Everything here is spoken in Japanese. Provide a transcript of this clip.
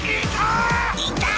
いた！